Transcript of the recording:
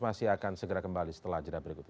masih akan segera kembali setelah jadwal berikutnya